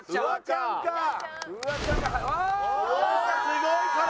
すごい体。